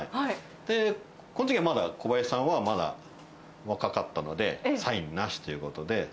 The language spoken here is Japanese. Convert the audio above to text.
このときはまだ小林さんはまだ若かったので、サインなしということで。